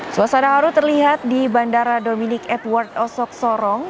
suasana haru terlihat di bandara dominic edward osok sorong